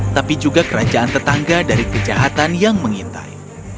tapi juga kerajaan tetangga dari kejahatan yang mengintai